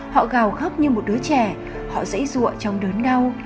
họ gào khóc như một đứa trẻ họ dãy ruộng trong đớn đau